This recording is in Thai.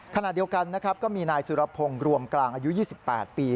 ขณะเดียวกันนะครับก็มีนายสุรพงศ์รวมกลางอายุ๒๘ปี